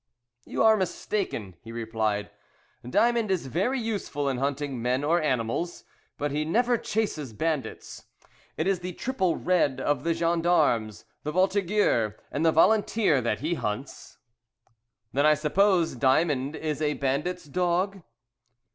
"You are mistaken," he replied; "Diamond is very useful in hunting men or animals, but he never chases bandits. It is the triple red of the gendarmes, the voltigeur, and the volunteer that he hunts." "Then I suppose Diamond is a bandit's dog?"